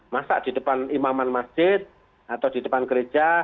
masak di depan imaman masjid atau di depan gereja